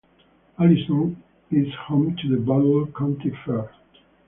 Allison is home to the Butler County Fair.